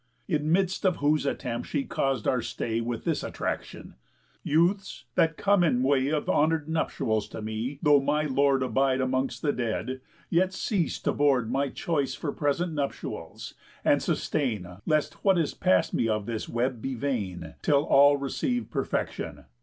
In midst of whose attempt she caus'd our stay With this attraction: 'Youths, that come in way Of honour'd nuptials to me, though my lord Abide amongst the dead, yet cease to board My choice for present nuptials, and sustain, Lest what is past me of this web be vain, Till all receive perfection.